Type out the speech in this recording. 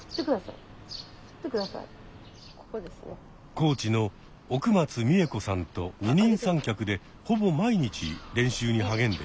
コーチの奥松美恵子さんと二人三脚でほぼ毎日練習に励んでいます。